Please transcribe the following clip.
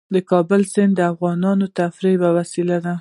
د کابل سیند د افغانانو د تفریح یوه وسیله ده.